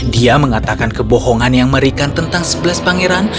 dia mengatakan kebohongan yang merikan tentang sebelas pangeran